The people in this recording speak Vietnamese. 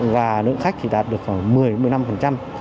và lượng khách thì đạt được khoảng một mươi một mươi năm